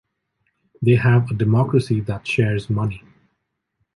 They have a democracy that shares money.